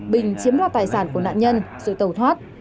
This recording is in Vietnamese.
bình chiếm ra tài sản của nạn nhân rồi tàu thoát